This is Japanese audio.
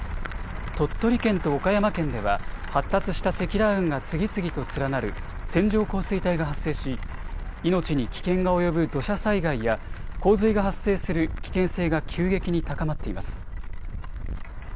鳥取県と岡山県では、発達した積乱雲が次々と連なる線状降水帯が発生し、命に危険が及ぶ土砂災害や、洪水が発生する危険性が急激に高まっています。